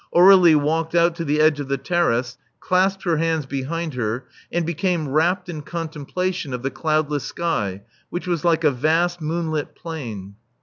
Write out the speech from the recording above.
Aur61ie walked out to the edge of the terrace ; clasped her hands behind her; and became rapt in contemplation of the cloud less sky, which was like a vast moonlit plain.